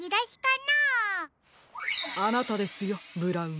あなたですよブラウン。